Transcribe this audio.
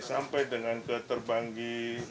sampai dengan ke terbanggi